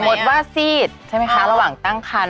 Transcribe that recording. ดว่าซีดใช่ไหมคะระหว่างตั้งคัน